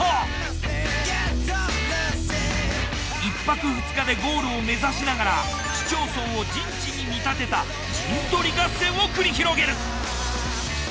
１泊２日でゴールを目指しながら市町村を陣地に見立てた陣取り合戦を繰り広げる。